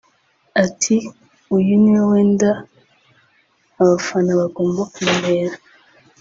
Ati “Uyu niwo mwenda abafana bagomba kumenyera